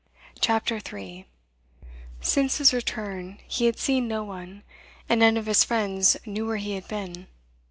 CHAPTER 3 Since his return he had seen no one, and none of his friends knew where he had been.